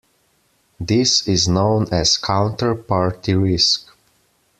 This is known as counterparty risk.